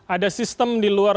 ada sistem di luar